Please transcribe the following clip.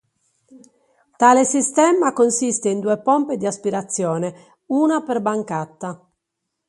Tale sistema consiste in due pompe di aspirazione, una per bancata.